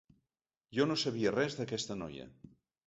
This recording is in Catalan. Jo no sabia res d'aquesta noia.